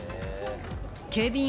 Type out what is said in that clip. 警備員